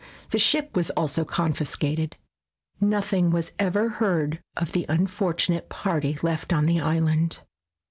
The ship was also confiscated. Nothing was ever heard of the unfortunate party left on the island.